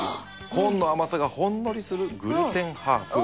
コーンの甘さがほんのりするグルテンハーフ。